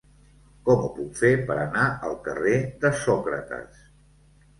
Com ho puc fer per anar al carrer de Sòcrates?